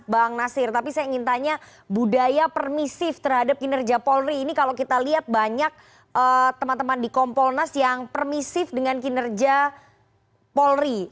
bang nasir tapi saya ingin tanya budaya permisif terhadap kinerja polri ini kalau kita lihat banyak teman teman di kompolnas yang permisif dengan kinerja polri